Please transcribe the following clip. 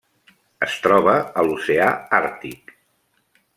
Es troba a l'Oceà Àrtic.